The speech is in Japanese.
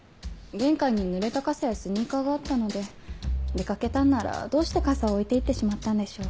玄関に濡れた傘やスニーカーがあったので出掛けたんならどうして傘を置いて行ってしまったんでしょう？